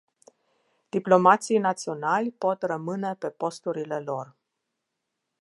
Diplomații naționali pot rămâne pe posturile lor.